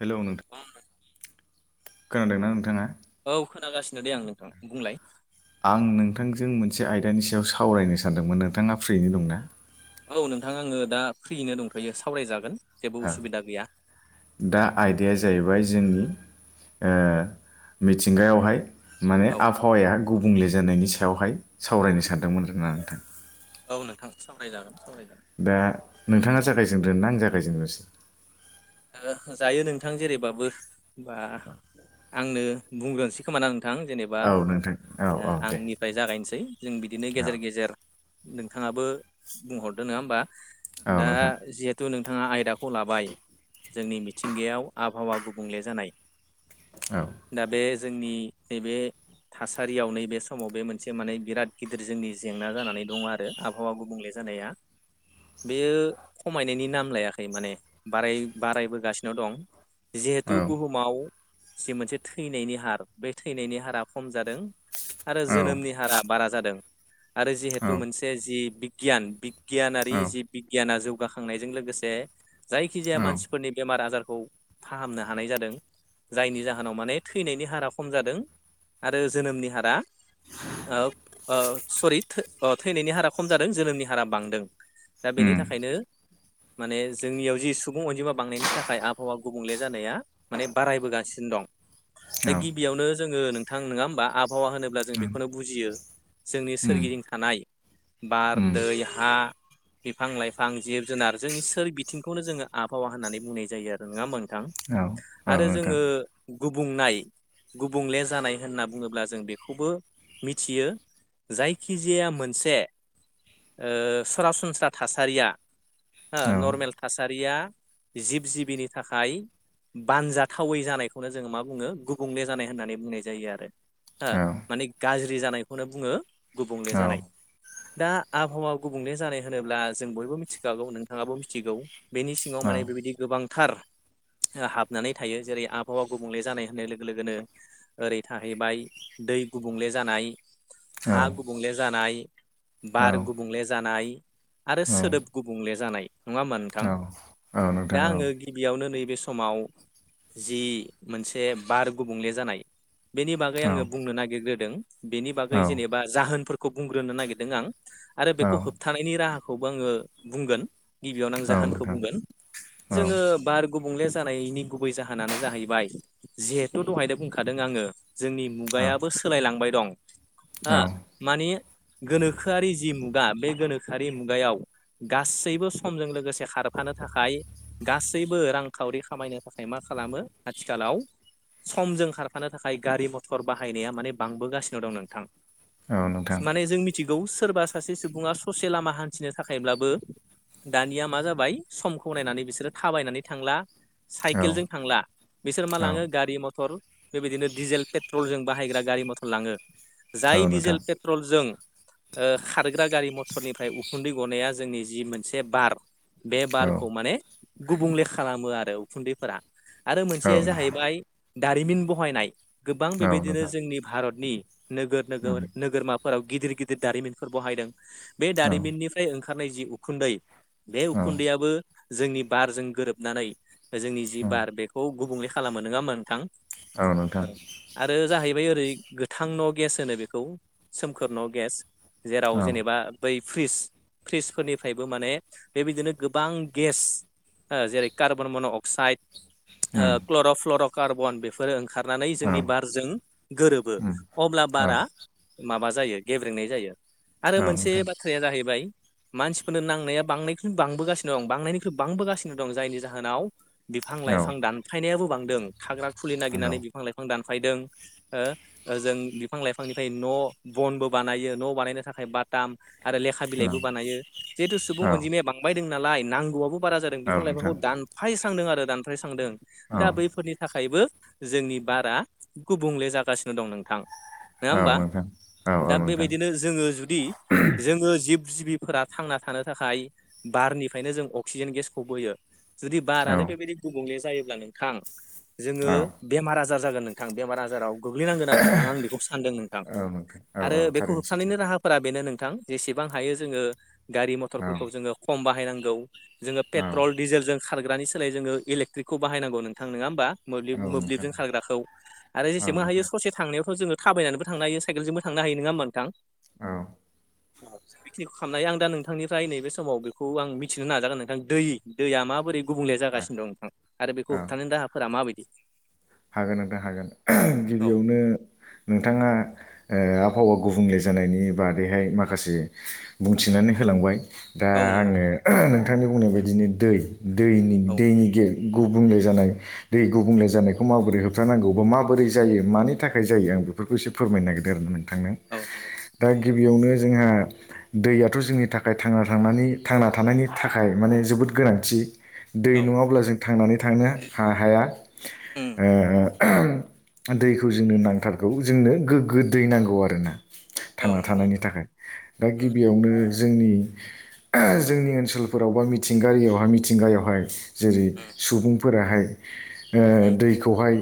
Hello औ नोंथां खोनादोंना नोंथाङा। औ खोनागासिनो दे आं नोंथां बुंलाय। आं नोंथांजों मोनसे आयदानि सायाव सावरायनो सानदोंमोन नोंथाङा फ्रियैनो दंना। औ नोंथां आङो दा फ्रियैनो दंख'यो सावरायजागोन। जेबो उसुबिदा गैया दा आयदाया जाहैबाय जोंनि ओ मिथिंगायावहाय माने औ आबहावाया गुबुंले जानायनि सायावहाय सावरायनो सानदोंमोन आरा नोंथां। औ नोंथां सावरायजागोन सावरायोन दा नोंथाङा जागायजेनग्रोना आं जागायजेनग्रोसै। जायो नोंथां जेरैबाबो बा आंनो बुंग्रोनोसै खोमा आं नोंथां जेनेबा औ नोंथां औ औ दे आंनिफ्राय जागायनोसै जों बिदिनो औ गेजेर गेजेर नोंथाङाबो बुंहरदो नङा होमबा औ दा नोंथां जिहेथु नोंथाङा आयदाखौ लाबाय जोंनि मिथिंगायाव आबहावा गुबुंले जानाय औ दा बे जोंनि नैबे थासारियाव नै बे समाव बे मोनसे माने बिराद गिदिर जोंनि जेंना जानानै दङ आरो आबहावा गुबुंले होनाया बेयो खमायनायनि नाम लायाखै माने बाराय बारायबोगासिनो दं औ जिहेथु बुहुमाव जि मोनसे थैनायनि हार बे थैनायनि हारा खम जादों। आरो औ जोनोमनि हारा बारा जादों। आरो औ जिहेतु मोनसे जि बिगियान बिगियानारि औ जि बिगियाना जौ जौगाखांनायजों लोगोसे जायखिजाया औ मानसिफोरनि बेमार आजारखौ फाहामनो हानाय जादों जायनि जाहोनाव माने थैनायनि हारा खम जादों आरो जोनोमनि हारा ओ ओ सरि थै थैनायनि हारा खम जादों जोनोमनि हारा बांदों। दा बेनि उम थाखायनो माने जोंनियाव जि सुबुं अनजिमा बांनायनि थाखाय आबहावा गुबुंले जानाया माने बारायबोगासिनो दं दा औ गिबियावनो जोङो नोंथां नङा होमबा आबहावा होनोब्ला जों उम बेखौनो बुजियो जोंनि उम सोरगिदिं थानाय बार उम दै हा बिफां लाइफां जिब जुनार जोंनि सोर बिथिंखौनो जोङो आबहावा होननानै बुंनाय जायो आरो नङा मोनथां औ औ आरो नोंथां जोङो गुबुंनाय गुबुंले जानाय होनना बुङोब्ला जों बेखौबो मिथियो जायखिजाया मोनसे ओ सरासनस्रा थासारिया हो औ नर्मेल थासारिया जिब जिबिनि थाखाय बानजाथावै जानायखौनो जोङो मा बुङो गुबुंले जानाय होननानै बुंनाय जायो आरो हो माने गाज्रि जानायखौनो बुङो गुबुंले औ औ जानाय दा आबहावा गुबुंले जानाय होनोब्ला जों बयबो मिथिखागौ नोंथाङाबो मिथिगौ बेनि औ सिङाव माने बेबायदि गोबांथार हाबनानै थायो जेरै आबहावा गुबुंले जानाय होननाय लोगो लोगोनो ओरै थाहैबाय दै गुबुंले जानाय हा गुबुंले जानाय औ बार गुबुंले जानाय आरो सोदोब गुबुंले जानाय नङा होमबा औ नोंथां? औ नोंथां औ। बेयावनो नैबे समाव जि मोनसे बार गुबुंले जानाय बेनि बागै औ आङो बुंनो नागिरग्रोदों बेनि औ बागै जेनेबा जाहोनफोरखौ बुंग्रोनो नागिरदों आं आरो औ बेखौ होबथानायनि राहाखौबो आङो बुंगोन गिबियावनो आं औ जाहोनखौ बुंगोन [inaudible] जोङो बार गुबुंले जानायनि गुबै जाहोनानो जाहैबाय जिहेथु दहायनो बुंखादों आङो जोंनि मुगायाबो सोलायलांबाय दं औ हो नोंथां औ माने गोनोखोआरि जि मुगा बे गोनोखोआरि मुगायाव गासैबो समजों लोगोसे खारफानो थाखाय गासैबो रांखावरि खामायनो थाखाय मा खालामो आथिखालाव समजों खारफानो थाखाय गारि मथर बाहायनाया माने बांबोगासिनो दं नोंथां। औ नोंथां माने जों मि थिगौ सोरबा सासे सुबुङा ससे लामा हान्थिनो थाखायब्लाबो दानिया मा जाबाय समखौ नायनानै बिसोरो थाबायनानै थांला औ साइकेलजों थांला। बिसोर मा औ लाङो गारि मथर बेबायदिनो डिजेल पेट्रलजों बाहायग्रा गारि मथर लाङो। औ जाय नोंथां डिजेल पेट्रलजों ओ खारग्रा गारि मथरनिफ्राय उखुन्दै गनाया जोंनि जि मोनसे बार। बे औ औ उम औ नोंथां औ बारखौ माने गुबुंले खालामो आरो उखुन्दैफोरा आरो मोनसेया उम जाहैबाय दारिमिन बहायनाय गोबां औ उम औ नोंथां औ नोंथां औ नोंथां औ नोंथां औ बेबायदिनो जोंनि भारतनि नोगोर औ नोगोर नोगोरमाफोराव गिदिर गिदिर दारिमिनफोर बाहायदों बे दारिमिननिफ्राय ओंखारनाय जि उखुन्दै बे खुन्दैयाबो जोंनि बारजों गोरोबनानै जोंनि जि बार बेखौ गुबुंले खालामो नङा होनबा? थां आरो जाहैब बेै ओरै गोथां न' गेस होनो बेखौ सोमखोर न' गेस। जेराव जेनेबा बै फ्रिज फ्रिजफोरनिफ्रायबो माने बेबायदिनो गोबां गेस जेरै कार्बन मन' अक्साइड ओ क्ल' फ्लर'कार्बन बेफोरो ओंखारनानै जोंनि बारजों गोरोबो अब्ला ओ। बारा माबा जायो गेब्रेंनाय जायो। आरो मोनसे बाथ्राया जाहैबाय मानसिफोरनो नांनाया बांनाय बांबोगासिनो दं बांनायनिख्रुइ बांबोगासिनो दं जायनि जाहोनाव बिफां लाइफां दानफायनायाबो बांदों थाग्रा खुलि नागिरनानै बिफां लाइफां दानफायदों जों बिफां लाइफांनिफ्राय न' बनबो बानायो न' बानायनो थाखाय बाथाम आरो लेखा बिलाइबो बानायो जिहेतु सुबुं अनजिमाया बां बायदों नालाय नांगौआबो बारा जादों बिफां लाइफांखौ दान फायस्रांदों आरो दानफायस्रांदों। दा बैफोरनि थाखायबो जोंनि बारा गुबुंले जा जागासिनो दं नोंथां। नङा होमबा औ नोंथां। दा बेबायदिनो जोङो जुदि जोङो जिब जिबिफोरा थांना थानो थाखाय बारनिफ्रायनो जों अक्सिजेन गेसखौ बोयो जुदि नोंथां बारानो बेबायदि गुबुंले जायोब्ला नोंथां जोङो औ बेमार आजार जागोन नोंथां बेमार आजाराव गोग्लैनांगोन आरो नोंथां आं बेखौ सानदों नोंथां। [inaudible] आरो बेखौ सैथो होबथानायनि राहाफोरा बेनो नोंथां जेसेबां हायो जोङो गारि मथरफोरखौ जोङो खम बाहायनांगौ जोङो औ औ पेट्रल डिजेलजों खारग्रानि सोलाय जोङो इलेक्ट्रिकखौ बाहायनांगौ। नोंथां नङा होमबा? बा औ मोब्लिब मोब्लिब नोंथां जों खारग्राखौ आरो औ जेसेबां हायो नोंथां ससे थांनायावथ' जों थाबायनाबो थांनो हायो सायखेलजोंबो थांनो हायो नङा होनबा नोंथां? औ। जों बेखिनिखौ खालामनाय आं दा नोंथांनिफ्राय नैबे समाव खौ आं मिथिनो नाजागोन नोंथां दैया माबोरै गुबुंले जागासिनो दं नोंथां आरो बेखौ औ होबथानाय दाहाफोरा मा माबायदि? हागोन नोंथां हागोन। औ। गिबियावनो नोंथाङा ओ आबहावा गुबुंले जानायनि बागैहाय माखासे बुंथिनानै होलांबाय दा औ नंगौ आङो नोंथांनि बुंनाय बायदिनो दै दैनि औ दैनि गे गुबुंले जानाय दै गुबुंले जानायखौ माबोरै होबथानांगौ बा माबोरै जायो मानि थाखाय जायो आं बेफोरखौ एसे फोरमायनो नागिरदों आरो नोंथांनो औ नंगौ दा बुंजागोन गिबियावनो जोंहा दैयाथ' जोंनि थाखाय थांना थानायनि थांना थानायनि थाखाय माने जोबोद गोनांथि। दै औ नङाब्ला जों थांनानै थांनो हा हाया उम ओ दैखौ जोंनो नांथारगौ जोंनो गोग्गो दै नांगौ आरोना। औ थांना नंगौ थानायनि नोंथां थाखाय दा उम गिबियावनो जोंनि जोंनि ओनसोलफोराव बा मिथिंगारियावहाय मिथिंगायावहाय जेरै उम सुबुंफोराहाय ओ उम दैखौहाय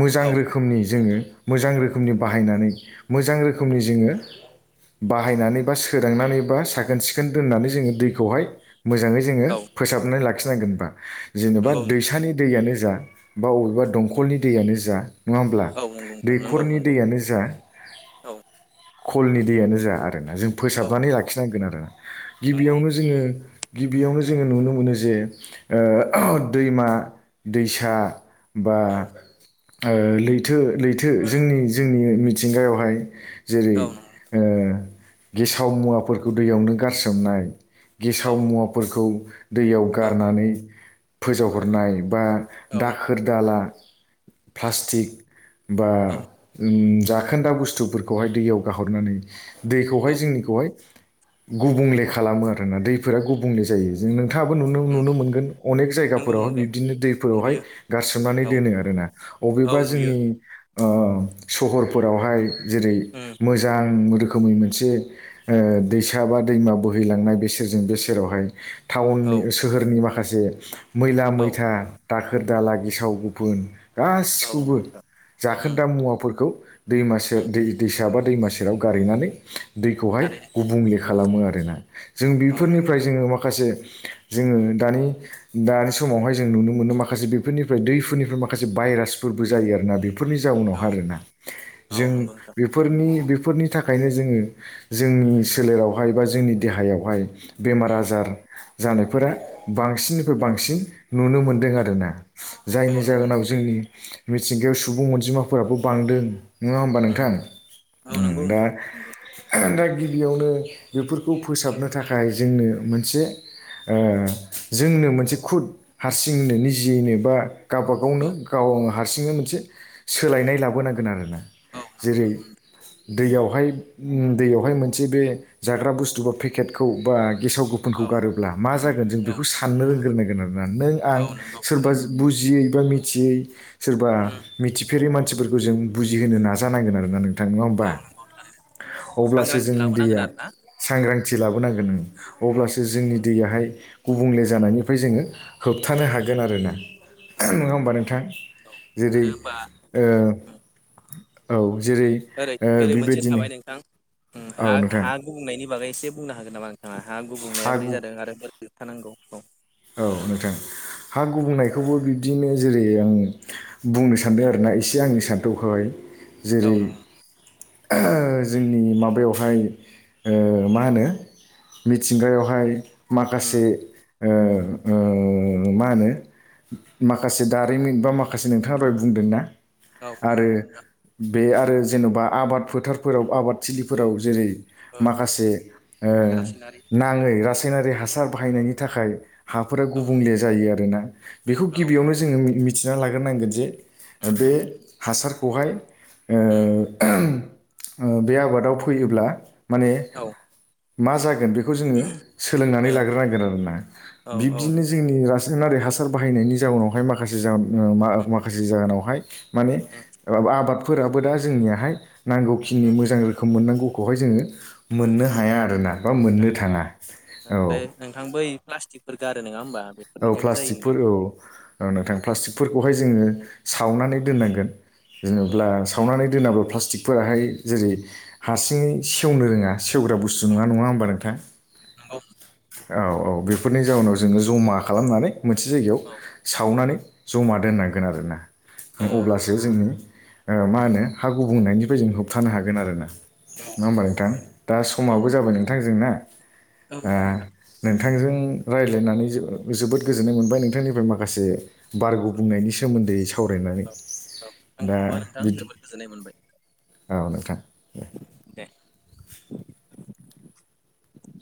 मोजां औ रोखोमनि जोङो मोजां रोखोमनि बाहायनानै मोजां रोखोमनि जोङो बाहायनानै बा सोदांनानै बा साखोन सिखोन दोननानै जोङो दैखौहाय मोजाङै जोङो औ फोसाबनानै लाखिनांगोनबा जेनेबा नंगौ नोंथां दैसानि दैयानो जा बा बबेबा उम दंखलनि दैआनो जा नङा होमब्ला? औ नंगौ नोंथां नंगौ दैखरनि नंगौ दैयानो जा औ खलनि दैयानो जा आर जों औ फोसाबनानै लाखिनांगोन आरोना नंगौ गिबियावनो जोङो गिबियावनो जोङो नुनो मोनो जे उम ओ दैमा दैसा बा औ ओ लैथो लैथो जोंनि जोंनि मिथिंगायावहाय जेरै औ नंगौ ओ गेसाव मुवाफोरखौ दैयावनो गारसोमनाय। औ गेसाव मुवाफोरखौ दैयाव औ गारनानै फोजावहरनाय बा औ दाखोर दाला प्लास्टिक बा उम जाखोन्दा बुस्थुफोरखौहाय दैयाव गाहरनानै दैखौहाय नंगौ जोंनिखौहाय गुबुंले खालामो आरोना दैफोरा गुबुंले जायो। नोंथाङाबो नुनो नुनो मोनगोन अनेक नंगौ जायगाफोरावहाय नंगौ बिब्दिनो दैफोरावहाय नुयो गारसोमनानै औ दोनो आरोना। अबेबा औ नुयो जोंनि ओ सहरफोरावहाय जेरै उम मोजां रोखोमै मोनसे ओ दैसा बा दैमा बोहैलांनाय बे सेरजों बे सेरावहाय टाउननि औ सोहोरनि माखासे मैला औ औ मैथा दाखोर दाला गेसाव गुफुन नंगौ गासिखौबो नोंथां उम जाखोन्दा मुवाफोरखौ दैमा उम सेर दै दैसाबा दैमा सेराव गारहैनानै दैखौहाय थारैनो गुबुंले खालामो आरोना जों औ नंगौ बेफोरनिफ्राय नोंथां जोङो माखासे जोङो दानि दानि समावहाय जों नुनो मोनो माखासे बेफोरनिफ्राय दैफोरनिफ्राय माखासे भाइ रासफोरबो जायो आरोना बेफोरनि जाउनाव आरोना औ जों औ नंगौ नोंथां बेफोरनि बेफोरनि थाखायनो जोङो जोंनि सोलेरावहाय बा जोंनि देहायावहाय बेमार उम आजार जानायफोरा औ बांसिननिफ्राय बांसिन नुनो मोनदों आरो ना। औ जायनि औ नंगौ जाहोनाव जोंनि मिथिंगायाव सुबुं अनजिमाफोराबो बांदों। नङा होमबा नोंथां औ नंगौ दा नोंथां नंगौ थारैनो दा गि बियावनो बेफोरखौ फोसाबनो थाखाय जोंनो मोनसे ओ जोंनो मोनसे खुद हारसिंनो निजेयैनो बा गाबागावनो औ गाव गावनो हारसिंनो मोनसे सोलायनाय लाबोनांगोन आरोना औ नंगौ जेरै नंगौ नोंथां दैयावहाय दैयावहाय मोनसे बे जाग्रा बुस्थु बा पेकेटखौ बा गेसाव गोफोनखौ औ गारोब्ला मा जागोन जों औ बेखौ साननो रोंग्रोनांगोन आरोना नों आं औ नंगौ सोरबा थारैनो बुजियै सोरबा मिथियै सोरबा उम मिथिफेरै मानसिफोरखौ जों बुजिहोनो नाजानांगोन आरोना नों नोंथां नङा होमबा औ नंगौ थारैनो अब्लासो सांग्रांथि जोंनि लाबोनांगोन दैया आरो ना सांग्रांथि लाबोनांगोन औ अब्लासो जोंनि दैयाहाय गुबुंले जानायनिफ्राय जोङो होबथानो उम हागोन। गोन आरोना। औ नङा होमबा नोंथां औ जेरै आरो होमबा ओ औ। जेरै ओरै ओ ओरै मोनसे बिबायदिनो थाबाय नोंथां उम हा-हा गुबुंनायनि बागै एसे बुंनो हागोन नामा नोंथाङा हा हा गुबुंनाया बोरै गु जादों आरो बोरै थानांगौ औ औ नोंथां हा गुबुंनायखौबो बिब्दिनो जेरै आं बुंनो सान्दों आरोना एसे आंनि सान्थौखौहाय औ जेरै नंगौ [unintelligible] जोंनि माबायावहाय ओ मा होनो मिथिंगायावहाय उम माखासे ओ ओ [unintelligible] मा होनो माखासे दारिमिन बा माखासे नोंथाङा दहय बुंदों ना औ आरो बे आरो जेन'बा आबाद फोथारफोराव आबाद थिलिफोराव जेरै औ माखासे ओ केरासिनारि नाङै रासायनारि औ हासार बाहायनाय औ नि थाखाय हाफोरा औ गुबुंले नंगौ जायो आरोना बेखौ औ गिबियावनो जोङो मि मिथिना लाग्रोनांगोन जे औ बे हासारखौहाय ओ [unintelligible] ओ बे आबादाव फैयोब्ला माने औ मा जागोन बे खौ‌ जोङो सोलोंनानै लाग्रो नांगोन आरो ना औ बिबदिनो जोंनि रासायना गोन आरो हासार बाहायनायनि जाउनावहाय माखासे जाउन ओ मा-माखासे जाहोनावहाय माने ओ आबाद फोराबो दा जोंनियाहाय नांगौखिनि मोजां रोखोम मोननांगौखौहाय जोङो मोननो हाया आरोना बा मोननो थाङा औ आरो नोंथां बै प्लास्टिकफोर गारो नोङा होमबा औ बेफोरनिफ्रायबो जायो प्लासटिक फोर‌ नोंथां औ औ नोंथां प्लासटिक फोरखौहाय जोङो सावनानै दोननांगोन जेनेब्ला सावनानै दोनाब्ला प्लास्टिकफोराहाय जेरै हारसिङै सेवनो रोङा सेवग्रा बुस्थु नङा नङा होमबा नोंथां औ नंगौ औ औ बेफोरनि जाउनाव जोङो जमा खालामनानै मोनसे जायगायाव औ सावनानै जमा दोननांगोन आरोना औ अब्लासो जोंनि ओ मा होनो हागु बुंनायनिफ्राय जों होबथानो हागोन आरो ना नङा होमबा नोंथां दा नंगौ नंगौ समाबो जाबाय नोंथांजोंना औ आ नोंथां [unintelligible] थांजों रायज्लायनानै जो‌ जोबोद गोजोननाय मोनबाय नोंथांनिफ्राय माखासे बारग' बुंनायनि सोमोन्दैस सावरायनानै औ औ दा आंखौबो नोंथां बिदि जोबोद गोजोननाय मोनबाय औ नोंथां दे दे [unintelligible]